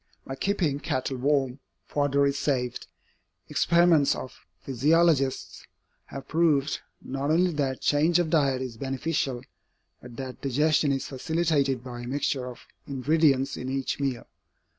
By keeping cattle warm, fodder is saved. Experiments of physiologists have proved, not only that change of diet is beneficial, but that digestion is facilitated by a mixture of ingredients in each meal.